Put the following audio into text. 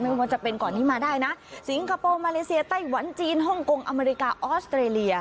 ไม่ว่าจะเป็นก่อนนี้มาได้นะสิงคโปร์มาเลเซียไต้หวันจีนฮ่องกงอเมริกาออสเตรเลีย